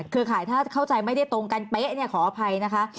ข่ายถ้าเข้าใจไม่ได้ตรงกันเป๊ะเนี่ยขออภัยนะคะ